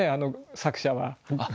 作者は。